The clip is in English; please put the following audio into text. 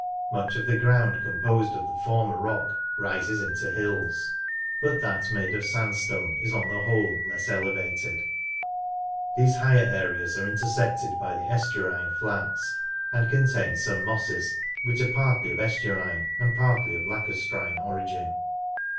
Much of the ground composed of the former rock rises into hills, but that made of sandstone is on the whole less elevated. These higher SURFACE VXD GENERAL FEATURES 37 areas are intersected by the estuarine Rats, and contain some mosses, which are partly of estuarine and partly of lacustrine origin.